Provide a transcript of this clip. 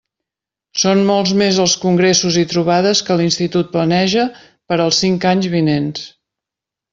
Són molts més els congressos i trobades que l'institut planeja per als cinc anys vinents.